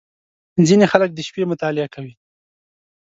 • ځینې خلک د شپې مطالعه کوي.